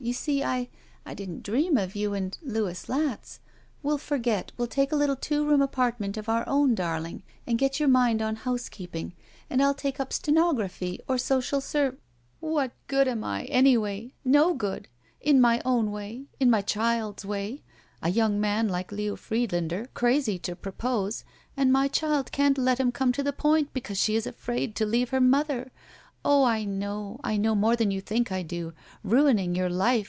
You see, I — didn't dream of you and — Louis Latz. We'll forget — ^we'U take a little two room apartment of our own, darling, and get your mind on housekeeping, and I'll take up stenography or social ser —" "What good am I, anyway? No good. In my own way. In my child's way. A yotmg man like Leo Friedlander crazy to propose and my child can't let him come to the point because she is afraid to leave her mother. Oh, I know — I know more than you think I do. Ruining your life!